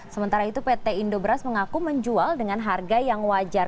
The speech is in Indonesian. sementara itu pt indobras mengaku menjual dengan harga yang wajar